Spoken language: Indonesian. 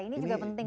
ini juga penting